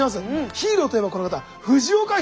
ヒーローといえばこの方藤岡弘、さん。